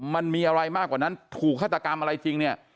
มันมีอะไรมากกว่านั้นถูกฆาตกรรมอะไรจริงเนี่ย